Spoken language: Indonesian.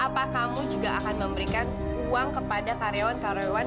apa kamu juga akan memberikan uang kepada karyawan karyawan